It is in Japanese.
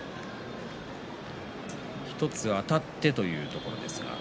１つあたってというところでしょうか。